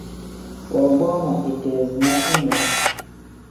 Woogboo ma ikeezina inewu.